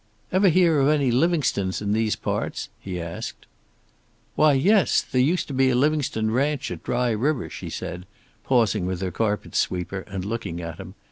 "Ever hear of any Livingstones in these parts?" he asked. "Why, yes. There used to be a Livingstone ranch at Dry River," she said, pausing with her carpet sweeper, and looking at him.